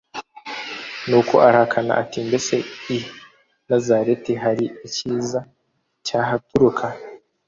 Nuko arahakana ati: « Mbese i Nazareti hari icyiza cyahaturuka? »